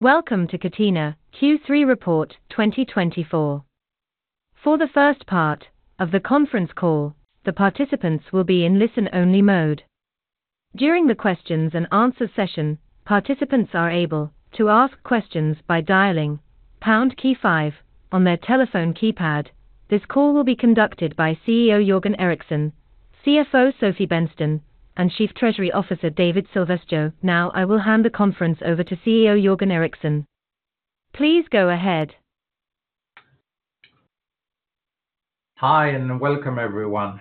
Welcome to Catena Q3 Report 2024. For the first part of the conference call, the participants will be in listen-only mode. During the questions and answer session, participants are able to ask questions by dialing pound key five on their telephone keypad. This call will be conducted by CEO Jörgen Eriksson, CFO Sofie Bengtsson, and Chief Treasury Officer, David Silvestro. Now, I will hand the conference over to CEO Jörgen Eriksson. Please go ahead. Hi, and welcome, everyone.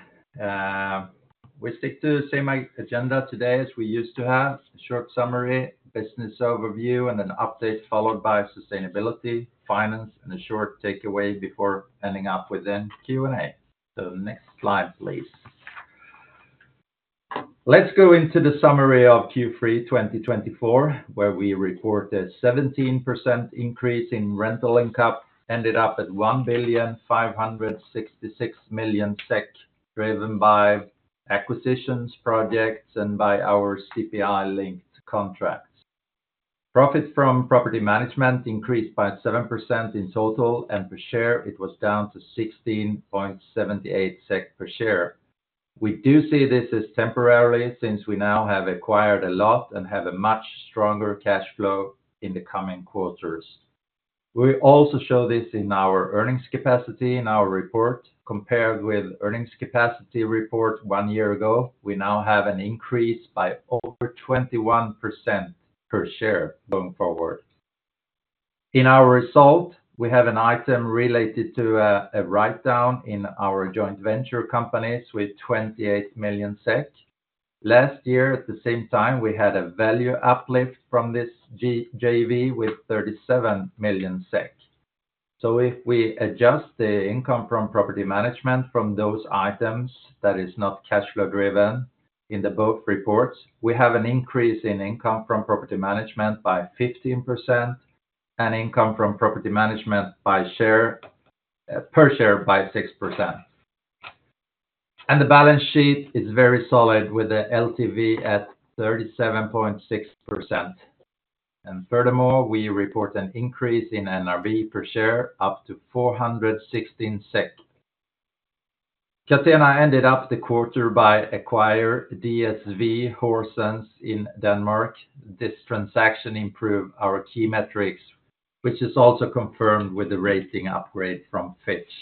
We stick to the same agenda today as we used to have: a short summary, business overview, and an update followed by sustainability, finance, and a short takeaway before ending up within Q&A. So next slide, please. Let's go into the summary of Q3 2024, where we reported 17% increase in rental income, ended up at 1,566 million SEK, driven by acquisitions projects and by our CPI-linked contracts. Profits from property management increased by 7% in total, and per share, it was down to 16.78 SEK per share. We do see this as temporarily, since we now have acquired a lot and have a much stronger cash flow in the coming quarters. We also show this in our earnings capacity in our report. Compared with earnings capacity report one year ago, we now have an increase by over 21% per share going forward. In our result, we have an item related to a write-down in our joint venture companies with 28 million SEK. Last year, at the same time, we had a value uplift from this JV with 37 million SEK, so if we adjust the income from property management from those items, that is not cash flow-driven in the both reports, we have an increase in income from property management by 15% and income from property management by share, per share by 6%, and the balance sheet is very solid, with the LTV at 37.6%. Furthermore, we report an increase in NRV per share, up to 416 SEK. Catena ended the quarter by acquiring DSV Horsens in Denmark. This transaction improve our key metrics, which is also confirmed with the rating upgrade from Fitch.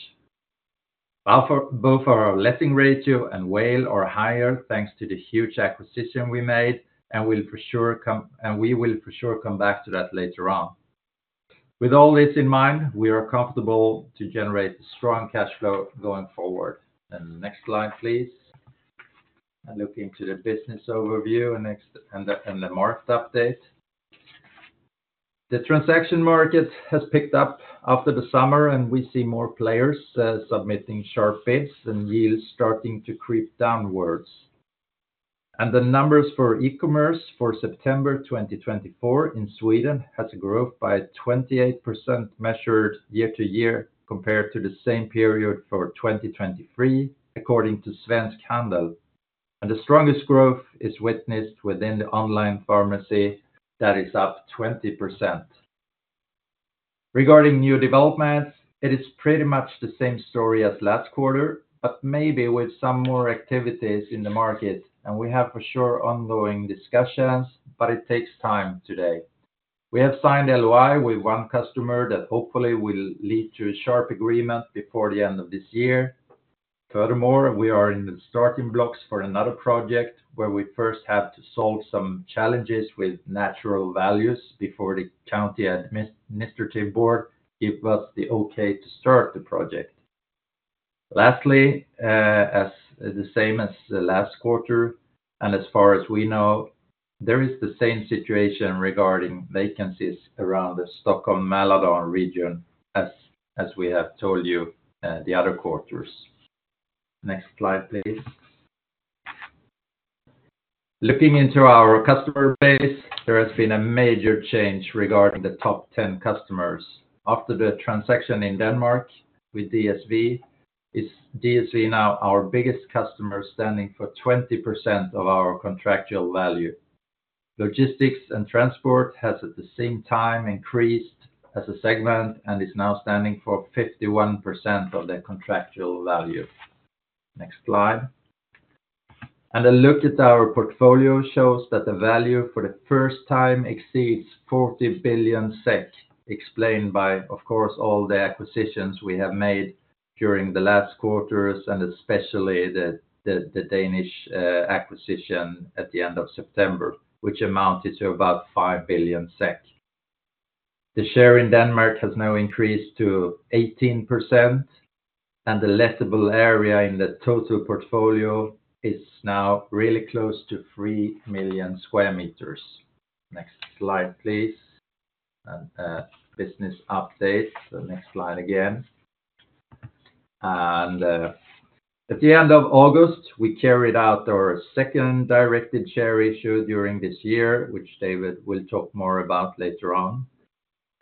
Both our letting ratio and WALE are higher, thanks to the huge acquisition we made, and we will for sure come back to that later on. With all this in mind, we are comfortable to generate strong cash flow going forward. Next slide, please. Looking to the business overview and the market update. The transaction market has picked up after the summer, and we see more players submitting sharp bids and yields starting to creep downwards. The numbers for e-commerce for September 2024 in Sweden has grown by 28%, measured year to year, compared to the same period for 2023, according to Svensk Handel, and the strongest growth is witnessed within the online pharmacy, that is up 20%. Regarding new developments, it is pretty much the same story as last quarter, but maybe with some more activities in the market, and we have for sure ongoing discussions, but it takes time today. We have signed LOI with one customer that hopefully will lead to a sharp agreement before the end of this year. Furthermore, we are in the starting blocks for another project, where we first have to solve some challenges with natural values before the county administrative board give us the okay to start the project. Lastly, as the same as the last quarter, and as far as we know, there is the same situation regarding vacancies around the Stockholm Mälardalen region as, as we have told you, the other quarters. Next slide, please. Looking into our customer base, there has been a major change regarding the top 10 customers. After the transaction in Denmark with DSV, is DSV now our biggest customer, standing for 20% of our contractual value. Logistics and transport has, at the same time, increased as a segment and is now standing for 51% of the contractual value. Next slide. A look at our portfolio shows that the value for the first time exceeds 40 billion SEK, explained by, of course, all the acquisitions we have made during the last quarters, and especially the Danish acquisition at the end of September, which amounted to about 5 billion SEK. The share in Denmark has now increased to 18%, and the lettable area in the total portfolio is now really close to 3 million sq m. Next slide, please. Business update. The next slide again. At the end of August, we carried out our second directed share issue during this year, which David will talk more about later on.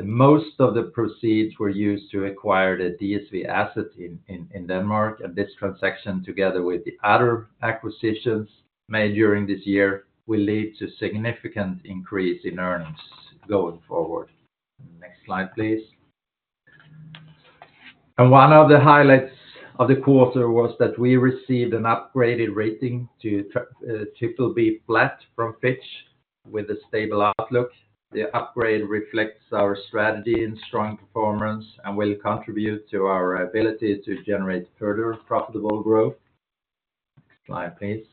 The most of the proceeds were used to acquire the DSV asset in Denmark, and this transaction, together with the other acquisitions made during this year, will lead to significant increase in earnings going forward. Next slide, please... And one of the highlights of the quarter was that we received an upgraded rating to triple B flat from Fitch with a stable outlook. The upgrade reflects our strategy and strong performance, and will contribute to our ability to generate further profitable growth. Next slide, please.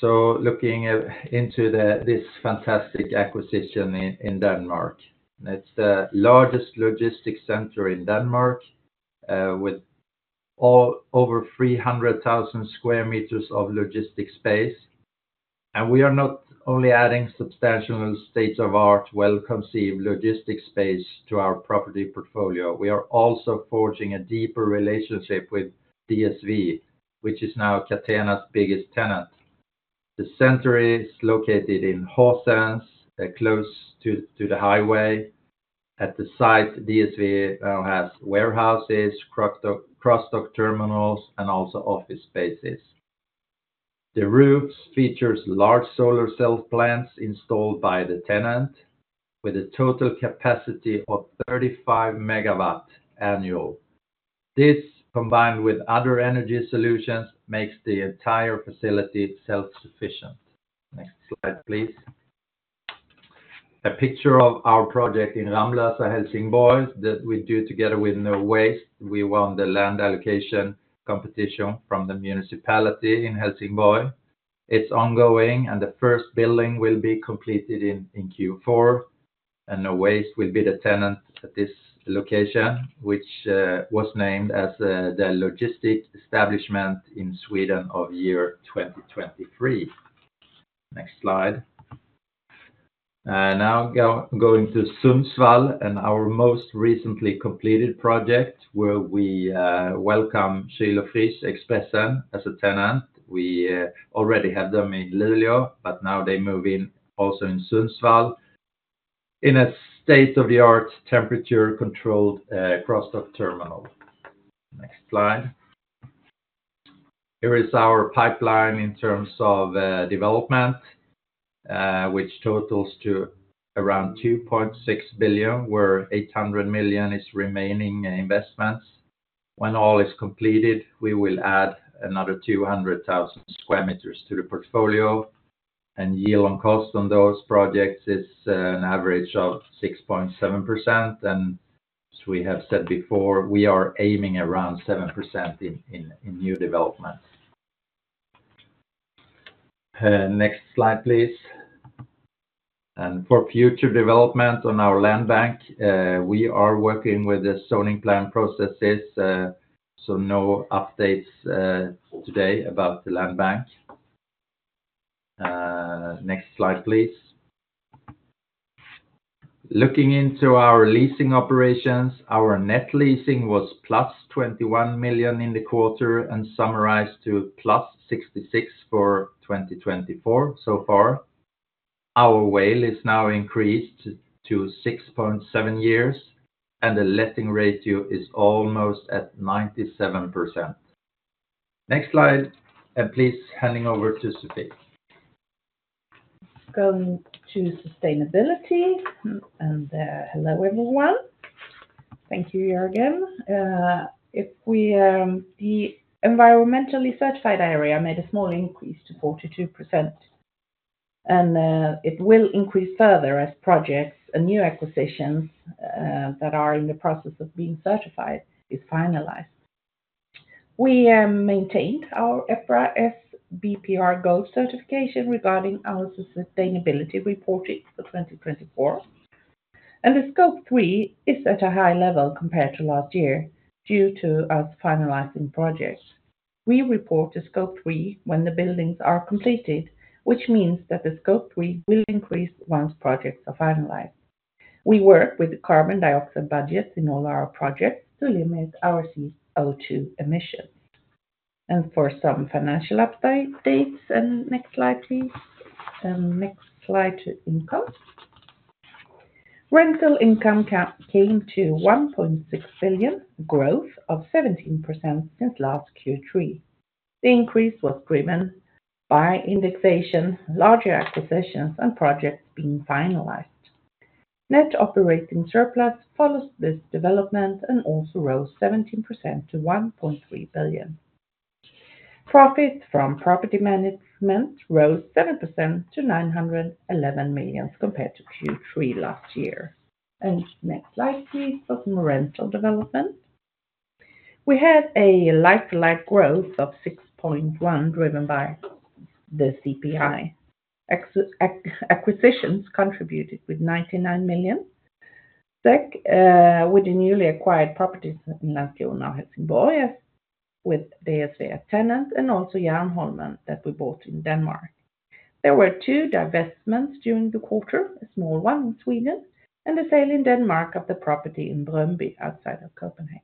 So looking into this fantastic acquisition in Denmark. It's the largest logistics center in Denmark, with over 300,000 square meters of logistics space. And we are not only adding substantial state-of-the-art, well-conceived logistics space to our property portfolio, we are also forging a deeper relationship with DSV, which is now Catena's biggest tenant. The center is located in Horsens, close to the highway. At the site, DSV has warehouses, cross-dock terminals, and also office spaces. The roofs features large solar cell plants installed by the tenant, with a total capacity of thirty-five megawatt annual. This, combined with other energy solutions, makes the entire facility self-sufficient. Next slide, please. A picture of our project in Ramlösa, Helsingborg, that we do together with Nowaste. We won the land allocation competition from the municipality in Helsingborg. It's ongoing, and the first building will be completed in Q4, and Nowaste will be the tenant at this location, which was named as the logistic establishment in Sweden of year 2023. Next slide. Now going to Sundsvall and our most recently completed project, where we welcome Kyl & Frys Expressen as a tenant. We already have them in Lillån, but now they move in also in Sundsvall, in a state-of-the-art, temperature-controlled, cross-dock terminal. Next slide. Here is our pipeline in terms of development, which totals to around 2.6 billion, where 800 million is remaining investments. When all is completed, we will add another 200,000 square meters to the portfolio, and yield on cost on those projects is an average of 6.7%. As we have said before, we are aiming around 7% in new developments. Next slide, please. For future development on our land bank, we are working with the zoning plan processes, so no updates today about the land bank. Next slide, please. Looking into our leasing operations, our net leasing was plus 21 million in the quarter, and summarized to plus 66 million for 2024 so far. Our WALE is now increased to 6.7 years, and the letting ratio is almost at 97%. Next slide, and please, handing over to Sofie. Going to sustainability. Hello, everyone. Thank you, Jörgen. If we, the environmentally certified area made a small increase to 42%, and, it will increase further as projects and new acquisitions, that are in the process of being certified, is finalized. We, maintained our EPRA sBPR Gold certification regarding our sustainability reporting for twenty twenty-four. The Scope 3 is at a high level compared to last year, due to us finalizing projects. We report the Scope 3 when the buildings are completed, which means that the Scope 3 will increase once projects are finalized. We work with the carbon dioxide budgets in all our projects to limit our CO2 emissions. For some financial updates, and next slide, please. Next slide to income. Rental income came to 1.6 billion, growth of 17% since last Q3. The increase was driven by indexation, larger acquisitions, and projects being finalized. Net operating surplus follows this development and also rose 17% to 1.3 billion SEK. Profit from property management rose 7% to 911 million SEK compared to Q3 last year. Next slide, please, for some rental development. We had a like-to-like growth of 6.1%, driven by the CPI. Ex-acquisitions contributed with 99 million SEK, with the newly acquired properties in Landskrona and Helsingborg, with DSV as tenant, and also Jernholmen, that we bought in Denmark. There were two divestments during the quarter, a small one in Sweden, and the sale in Denmark of the property in Brøndby, outside of Copenhagen.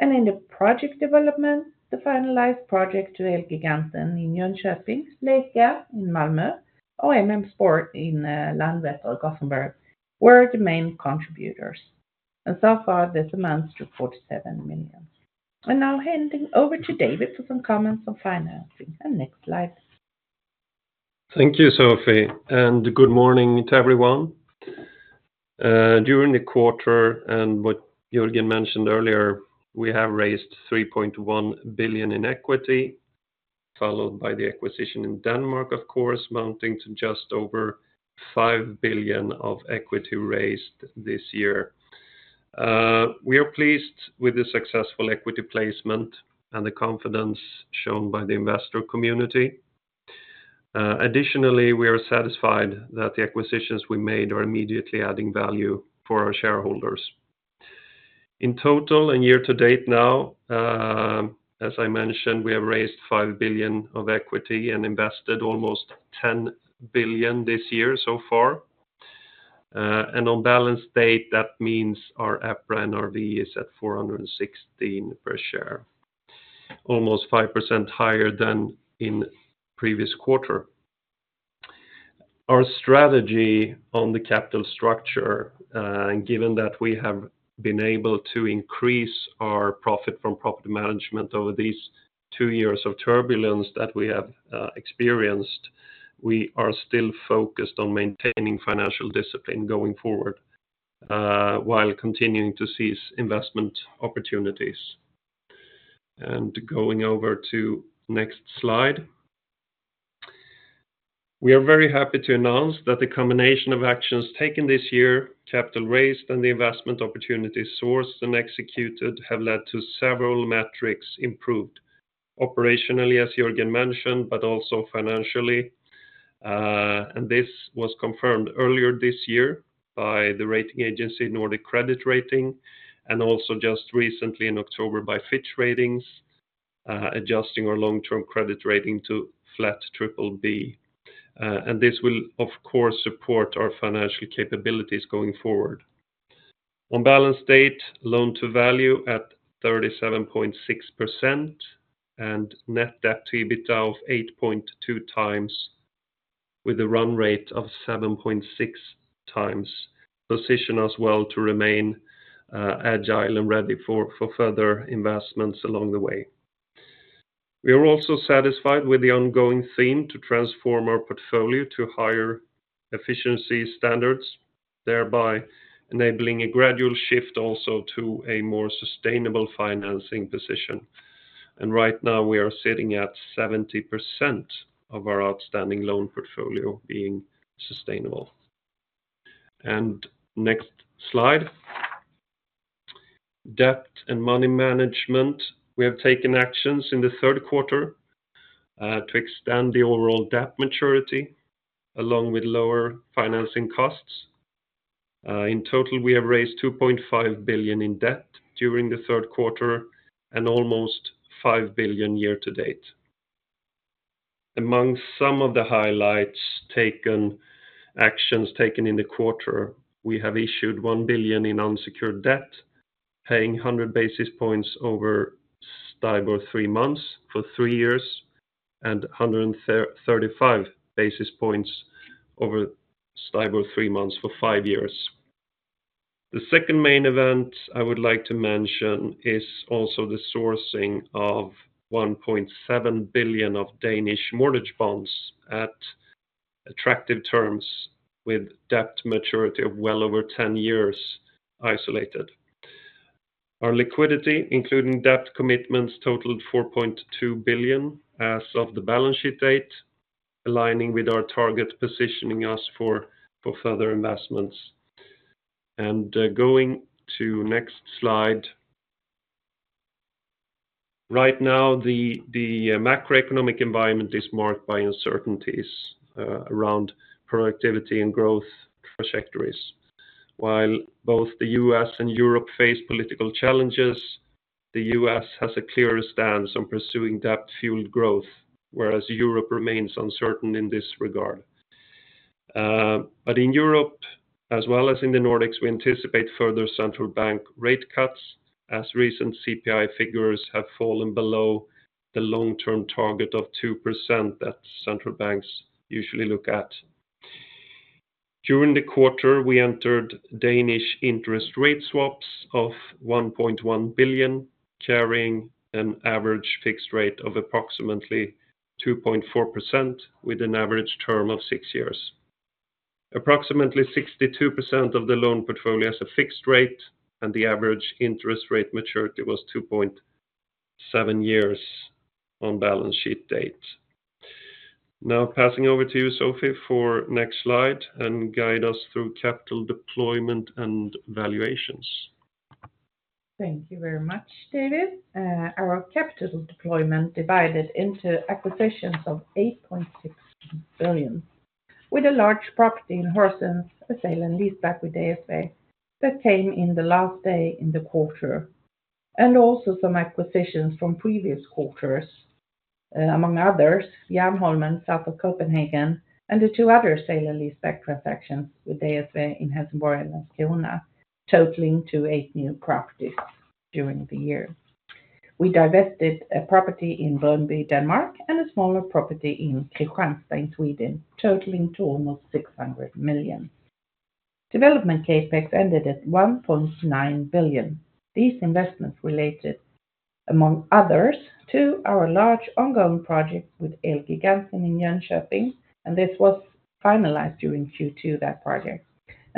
In the project development, the finalized project to Elgiganten in Jönköping, Lekia in Malmö, and MM Sports in Landvetter, Gothenburg, were the main contributors. And so far, this amounts to 47 million. And now handing over to David for some comments on financing. And next slide. Thank you, Sofie, and good morning to everyone. During the quarter, and what Jörgen mentioned earlier, we have raised 3.1 billion in equity, followed by the acquisition in Denmark, of course, mounting to just over 5 billion of equity raised this year. We are pleased with the successful equity placement and the confidence shown by the investor community. Additionally, we are satisfied that the acquisitions we made are immediately adding value for our shareholders. In total, and year to date now, as I mentioned, we have raised 5 billion of equity and invested almost 10 billion this year so far, and on balance date, that means our EPRA NRV is at 416 per share, almost 5% higher than in previous quarter. Our strategy on the capital structure, and given that we have been able to increase our profit from property management over these two years of turbulence that we have experienced, we are still focused on maintaining financial discipline going forward, while continuing to seize investment opportunities, and going over to next slide. We are very happy to announce that the combination of actions taken this year, capital raised, and the investment opportunities sourced and executed, have led to several metrics improved operationally, as Jörgen mentioned, but also financially, and this was confirmed earlier this year by the rating agency, Nordic Credit Rating, and also just recently in October by Fitch Ratings, adjusting our long-term credit rating to flat triple B, and this will, of course, support our financial capabilities going forward. On balance date, loan-to-value at 37.6% and net debt to EBITDA of 8.2 times, with a run rate of 7.6 times, position us well to remain, agile and ready for further investments along the way. We are also satisfied with the ongoing theme to transform our portfolio to higher efficiency standards, thereby enabling a gradual shift also to a more sustainable financing position. And right now, we are sitting at 70% of our outstanding loan portfolio being sustainable. And next slide. Debt and money management. We have taken actions in the third quarter to extend the overall debt maturity, along with lower financing costs. In total, we have raised 2.5 billion in debt during the third quarter and almost 5 billion year to date. Among some of the highlights taken, actions taken in the quarter, we have issued 1 billion in unsecured debt, paying 100 basis points over STIBOR three months for three years, and 35 basis points over STIBOR three months for five years. The second main event I would like to mention is also the sourcing of 1.7 billion of Danish mortgage bonds at attractive terms with debt maturity of well over 10 years isolated. Our liquidity, including debt commitments, totaled 4.2 billion as of the balance sheet date, aligning with our target, positioning us for further investments, and going to the next slide. Right now, the macroeconomic environment is marked by uncertainties around productivity and growth trajectories. While both the U.S. and Europe face political challenges, the U.S. has a clearer stance on pursuing debt-fueled growth, whereas Europe remains uncertain in this regard. But in Europe, as well as in the Nordics, we anticipate further central bank rate cuts, as recent CPI figures have fallen below the long-term target of 2% that central banks usually look at. During the quarter, we entered Danish interest rate swaps of 1.1 billion, carrying an average fixed rate of approximately 2.4%, with an average term of 6 years. Approximately 62% of the loan portfolio has a fixed rate, and the average interest rate maturity was 2.7 years on balance sheet date. Now, passing over to you, Sofie, for next slide, and guide us through capital deployment and valuations. Thank you very much, David. Our capital deployment divided into acquisitions of 8.6 billion, with a large property in Horsens, a sale and leaseback with DSV, that came in the last day in the quarter, and also some acquisitions from previous quarters. Among others, Jernholmen, south of Copenhagen, and the two other sale and leaseback transactions with DSV in Helsingborg and Skåne, totaling to eight new properties during the year. We divested a property in Brøndby, Denmark, and a smaller property in Kristianstad, in Sweden, totaling to almost 600 million. Development CapEx ended at 1.9 billion. These investments related, among others, to our large ongoing project with Elgiganten in Jönköping, and this was finalized during Q2, that project.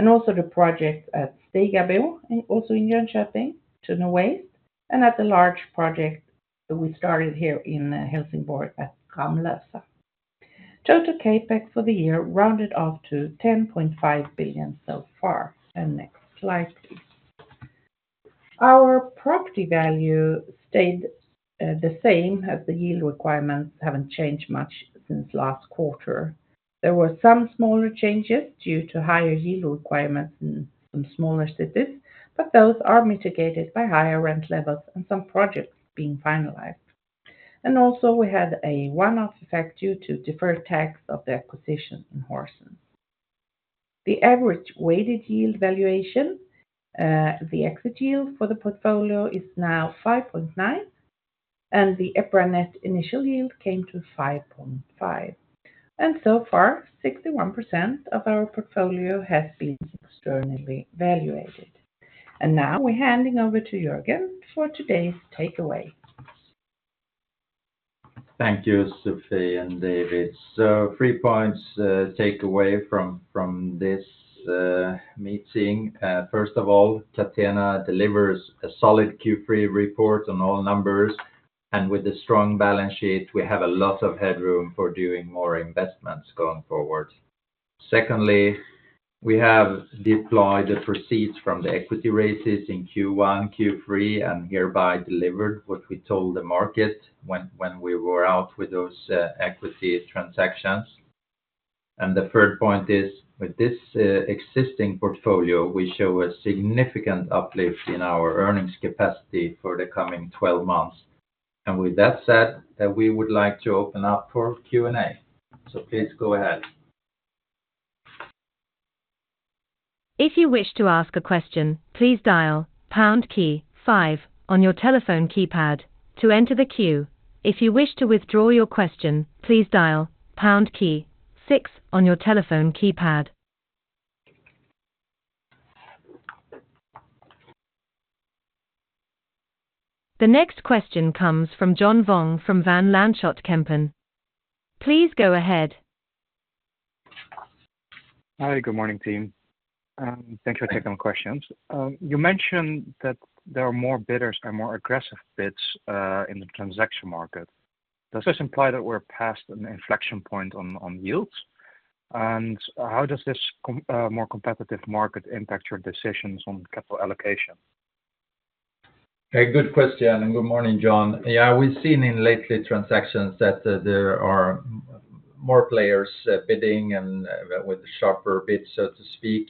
Also the project at Stigamo also in Jönköping, to Nowaste and at the large project that we started here in Helsingborg at Ramlösa. Total CapEx for the year rounded off to 10.5 billion so far. Next slide, please. Our property value stayed the same as the yield requirements haven't changed much since last quarter. There were some smaller changes due to higher yield requirements in some smaller cities, but those are mitigated by higher rent levels and some projects being finalized. We also had a one-off effect due to deferred tax of the acquisition in Horsens. The average weighted yield valuation the exit yield for the portfolio is now 5.9, and the EPRA net initial yield came to 5.5. So far, 61% of our portfolio has been externally valuated. Now we're handing over to Jörgen for today's takeaway. Thank you, Sofie and David. So three points take away from this meeting. First of all, Catena delivers a solid Q3 report on all numbers, and with a strong balance sheet, we have a lot of headroom for doing more investments going forward. Secondly, we have deployed the proceeds from the equity raises in Q1, Q3, and hereby delivered what we told the market when we were out with those equity transactions. And the third point is, with this existing portfolio, we show a significant uplift in our earnings capacity for the coming twelve months. And with that said, then we would like to open up for Q&A. So please go ahead. If you wish to ask a question, please dial pound key five on your telephone keypad to enter the queue. If you wish to withdraw your question, please dial pound key six on your telephone keypad. The next question comes from John Vuong from Van Lanschot Kempen. Please go ahead. Hi, good morning, team. Thank you for taking the questions. You mentioned that there are more bidders and more aggressive bids in the transaction market. Does this imply that we're past an inflection point on yields? And how does this more competitive market impact your decisions on capital allocation? Hey, good question, and good morning, John. Yeah, we've seen lately in transactions that there are more players bidding and with sharper bids, so to speak,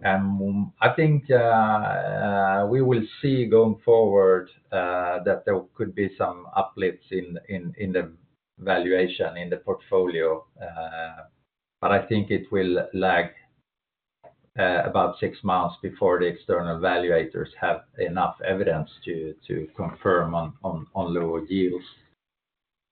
and I think we will see going forward that there could be some uplifts in the valuation in the portfolio, but I think it will lag about six months before the external valuators have enough evidence to confirm on lower yields.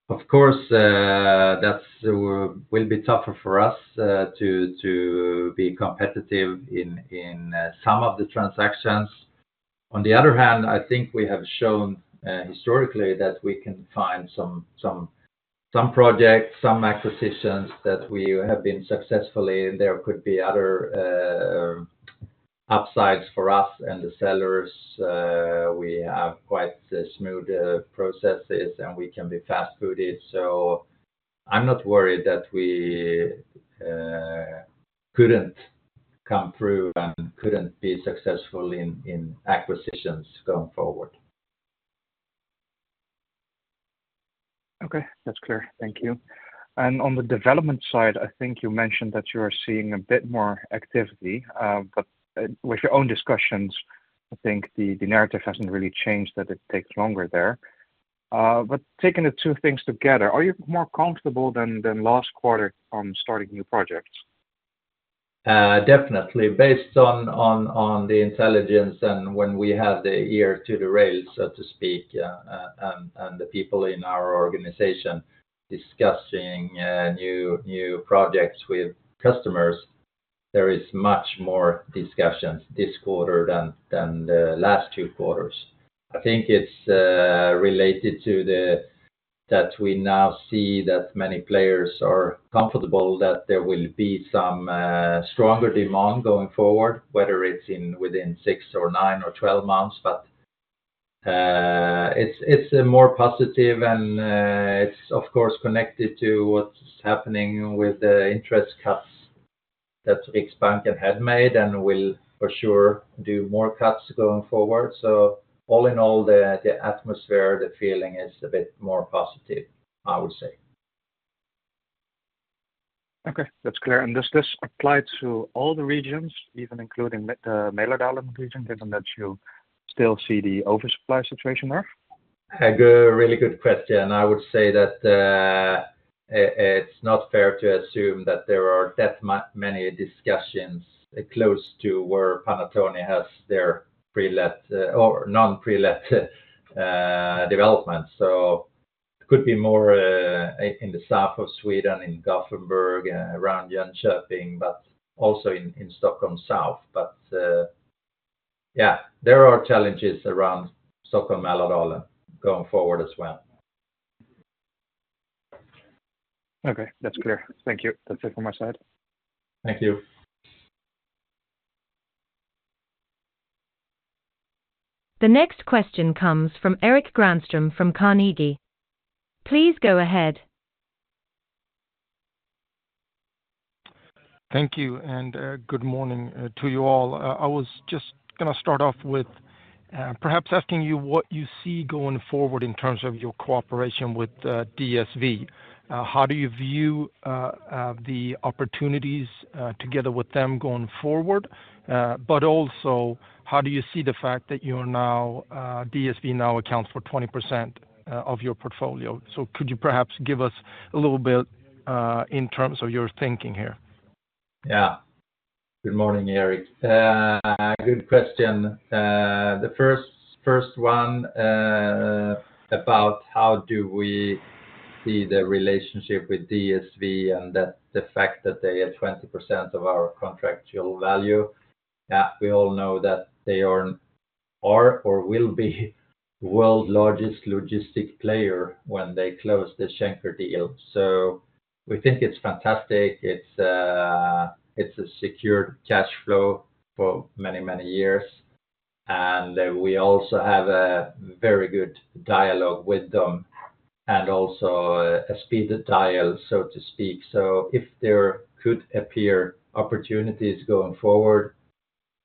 Of course, that will be tougher for us to be competitive in some of the transactions. On the other hand, I think we have shown historically that we can find some projects, some acquisitions that we have been successfully, and there could be other upsides for us and the sellers. We have quite smooth processes, and we can be fast-footed. So I'm not worried that we couldn't come through and couldn't be successful in acquisitions going forward. Okay, that's clear. Thank you. And on the development side, I think you mentioned that you are seeing a bit more activity, but with your own discussions, I think the narrative hasn't really changed, that it takes longer there. But taking the two things together, are you more comfortable than last quarter on starting new projects? Definitely. Based on the intelligence and when we have the ear to the rail, so to speak, and the people in our organization discussing new projects with customers, there is much more discussions this quarter than the last two quarters. I think it's related to the that we now see that many players are comfortable, that there will be some stronger demand going forward, whether it's within six or nine or twelve months. But it's more positive and it's, of course, connected to what's happening with the interest cuts that Riksbank had made and will for sure do more cuts going forward. So all in all, the atmosphere, the feeling is a bit more positive, I would say. Okay, that's clear. And does this apply to all the regions, even including the Mälardalen region, given that you still see the oversupply situation there? A good, a really good question. I would say that, it, it's not fair to assume that there are that many discussions close to where Panattoni has their pre-let, or non-pre-let, development. So it could be more, in the south of Sweden, in Gothenburg, around Jönköping, but also in Stockholm south. But, yeah, there are challenges around Stockholm, Mälardalen going forward as well. Okay, that's clear. Thank you. That's it from my side. Thank you. The next question comes from Erik Granström from Carnegie. Please go ahead. Thank you, and good morning to you all. I was just gonna start off with perhaps asking you what you see going forward in terms of your cooperation with DSV. How do you view the opportunities together with them going forward? But also, how do you see the fact that DSV now accounts for 20% of your portfolio? So could you perhaps give us a little bit in terms of your thinking here? Yeah. Good morning, Erik. Good question. The first one about how do we see the relationship with DSV and the fact that they are 20% of our contractual value, we all know that they are or will be world's largest logistics player when they close the Schenker deal. So we think it's fantastic. It's a secure cash flow for many, many years, and we also have a very good dialogue with them, and also a speed dial, so to speak. So if there could appear opportunities going forward,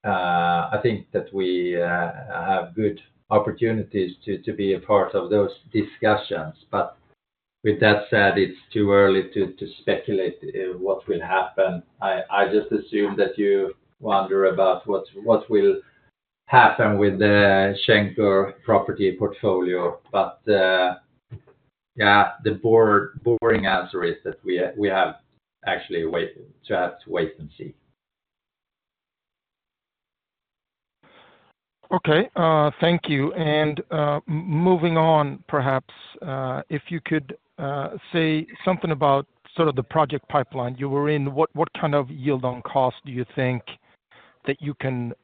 I think that we have good opportunities to be a part of those discussions. But with that said, it's too early to speculate what will happen. I just assume that you wonder about what will happen with the Schenker property portfolio, but yeah, the boring answer is that we actually just have to wait and see. Okay, thank you, and moving on, perhaps, if you could say something about sort of the project pipeline you were in. What kind of yield on cost do you think that you can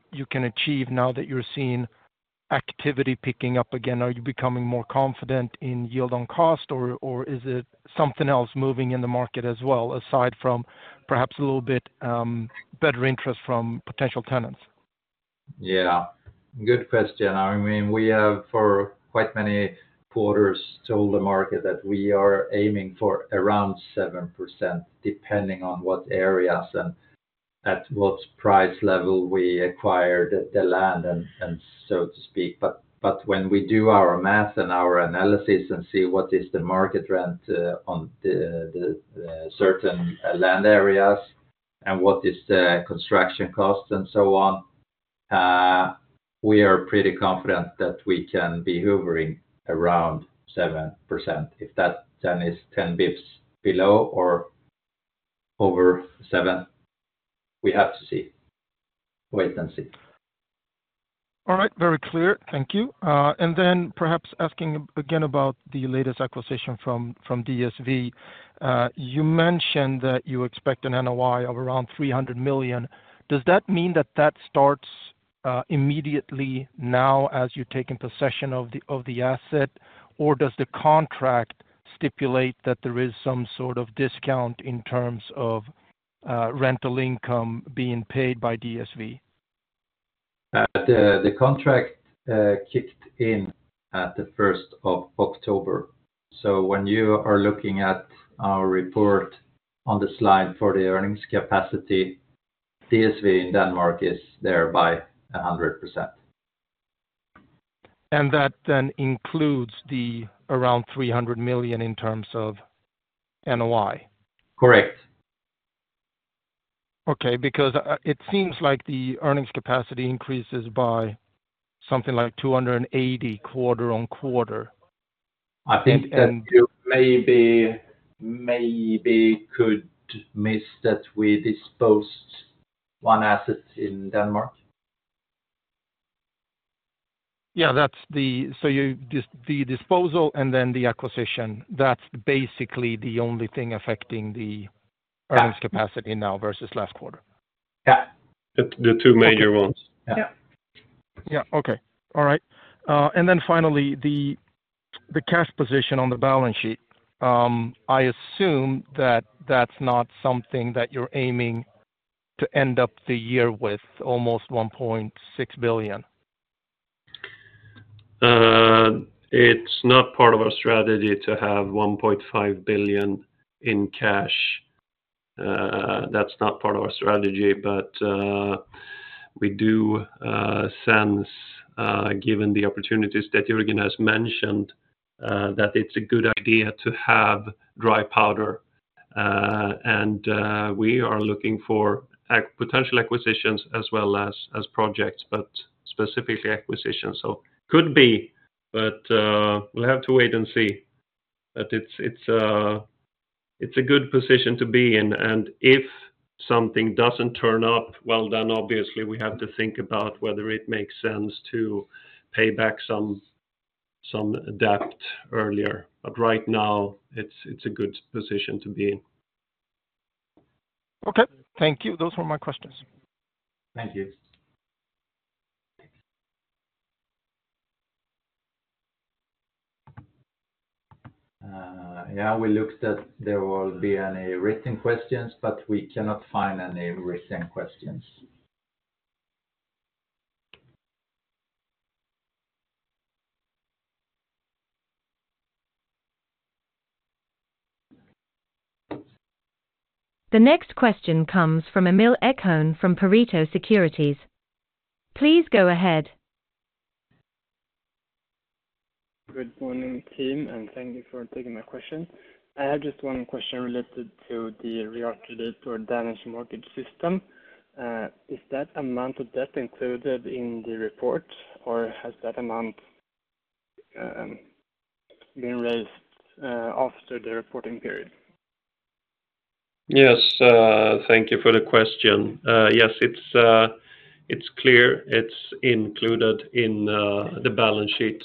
achieve now that you're seeing activity picking up again? Are you becoming more confident in yield on cost, or is it something else moving in the market as well, aside from perhaps a little bit better interest from potential tenants? Yeah. Good question. I mean, we have, for quite many quarters, told the market that we are aiming for around 7%, depending on what areas and at what price level we acquired the land and so to speak. But when we do our math and our analysis and see what is the market rent on the certain land areas and what is the construction cost and so on, we are pretty confident that we can be hovering around 7%. If that then is ten basis points below or over 7, we have to see. Wait and see. All right, very clear. Thank you. And then perhaps asking again about the latest acquisition from DSV. You mentioned that you expect an NOI of around three hundred million. Does that mean that starts immediately now as you're taking possession of the asset, or does the contract stipulate that there is some sort of discount in terms of rental income being paid by DSV? The contract kicked in at the first of October. So when you are looking at our report on the slide for the earnings capacity, DSV in Denmark is there by 100%. That then includes the around 300 million in terms of NOI? Correct. Okay, because, it seems like the earnings capacity increases by something like two hundred and eighty quarter on quarter. I think that you maybe could miss that we disposed one asset in Denmark. Yeah, that's the disposal and then the acquisition. That's basically the only thing affecting the- Yeah Earnings capacity now versus last quarter? Yeah. The two major ones. Yeah. Yeah, okay. All right. And then finally, the cash position on the balance sheet. I assume that that's not something that you're aiming to end up the year with almost 1.6 billion. It's not part of our strategy to have 1.5 billion in cash. That's not part of our strategy, but we do sense, given the opportunities that Jörgen has mentioned, that it's a good idea to have dry powder. We are looking for potential acquisitions as well as projects, but specifically acquisitions, so could be, but we'll have to wait and see. It's a good position to be in, and if something doesn't turn up, well, then obviously we have to think about whether it makes sense to pay back some debt earlier. Right now, it's a good position to be in. Okay, thank you. Those were my questions. Thank you. Yeah, we looked to see if there will be any written questions, but we cannot find any written questions. The next question comes from Emil Ekholm from Pareto Securities. Please go ahead. Good morning, team, and thank you for taking my question. I have just one question related to the Realkredit or Danish mortgage system. Is that amount of debt included in the report, or has that amount been raised after the reporting period? Yes, thank you for the question. Yes, it's clear it's included in the balance sheet.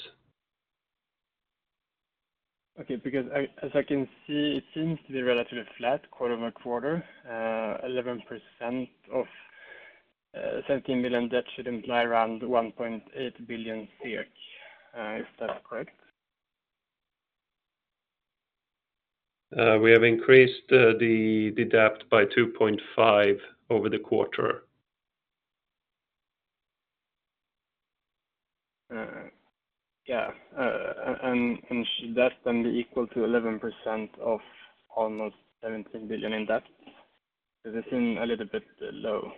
Okay, because as I can see, it seems to be relatively flat quarter over quarter, 11% of 17 billion debt should imply around 1.8 billion SEK, if that's correct? We have increased the debt by 2.5 over the quarter. Should that then be equal to 11% of almost 17 billion in debt? Because it seem a little bit low.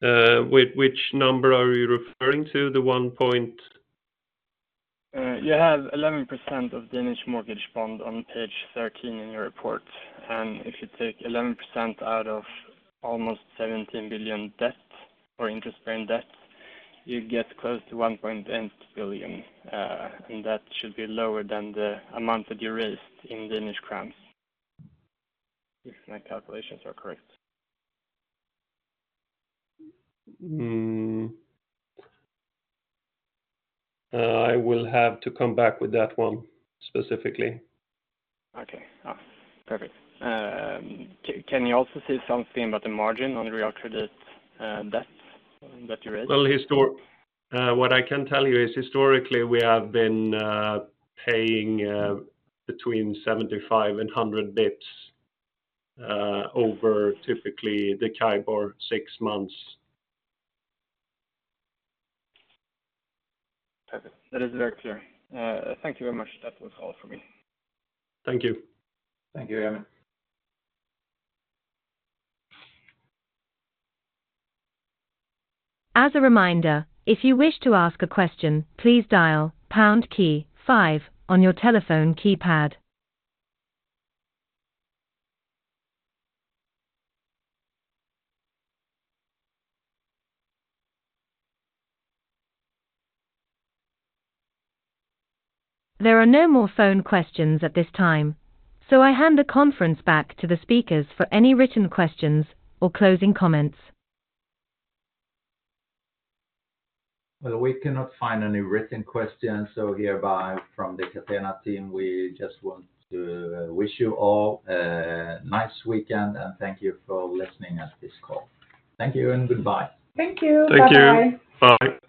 Which number are you referring to, the one point? You have 11% of Danish mortgage bond on page 13 in your report, and if you take 11% out of almost 17 billion debt or interest-bearing debt, you get close to 1 billion, and that should be lower than the amount that you raised in DKK, if my calculations are correct. I will have to come back with that one, specifically. Okay. Perfect. Can you also say something about the margin on Realkredit debt that you raised? What I can tell you is, historically, we have been paying between 75 and 100 basis points over typically the CIBOR six months. Perfect. That is very clear. Thank you very much. That was all for me. Thank you. Thank you, Emil. As a reminder, if you wish to ask a question, please dial pound key five on your telephone keypad. There are no more phone questions at this time, so I hand the conference back to the speakers for any written questions or closing comments. We cannot find any written questions, so hereby from the Catena team, we just want to wish you all a nice weekend, and thank you for listening at this call. Thank you and goodbye. Thank you. Thank you. Bye-bye. Bye.